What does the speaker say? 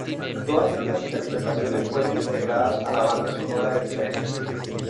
Todas estas interpretaciones fueron integradas a la banda sonora de dicha película.